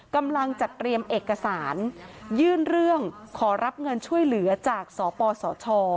กำลังจัดเตรียมเอกสารยื่นเรื่องขอรับเงินช่วยเหลือจากสปสช